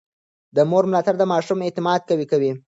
د مور ملاتړ د ماشوم اعتماد قوي کوي.